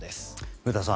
古田さん